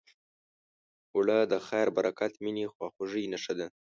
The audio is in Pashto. اوړه د خیر، برکت، مینې، خواخوږۍ نښه ده